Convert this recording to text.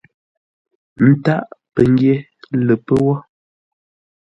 Ntâʼ pəngyě lə́ pə́ wó.